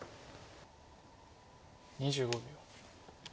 ２５秒。